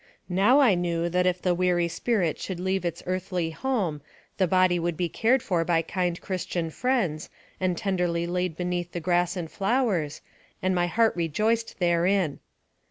Now, I knew that if the wearied spirit should leave its earthly home, the body would be cared for by kind Christian friends, and tenderly laid beneath the grass and flowers, and my heart rejoiced therein.